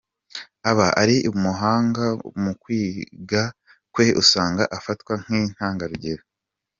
Aba ari umuhanga mu kwiga kwe usanga afatwa nk’intangarugero.